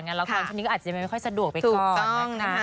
งานนี้อาจจะไม่ค่อยสะดวกไปก่อน